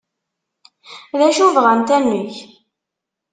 D acu bɣant ad neg?